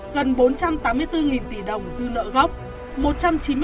gần bốn trăm tám mươi bốn tỷ đồng dư nợ gốc